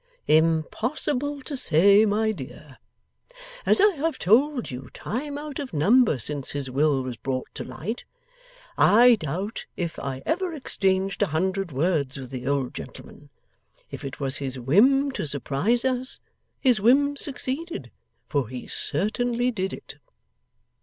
'Impossible to say, my dear. As I have told you time out of number since his will was brought to light, I doubt if I ever exchanged a hundred words with the old gentleman. If it was his whim to surprise us, his whim succeeded. For he certainly did it.